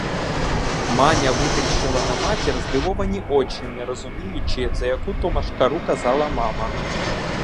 Маня витріщила на матір здивовані очі, не розуміючи, за яку то машкару казала мама.